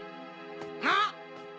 あっ！